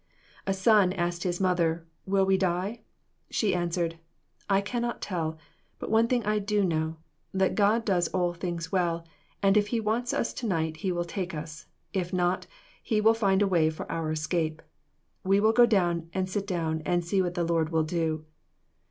A son asked his mother, "Will we die?" She answered, "I can not tell; but one thing I do know, that God does all things well, and if he wants us to night, he will take us; if not, he will find a way for our escape. We will go and sit down and see what the Lord will do."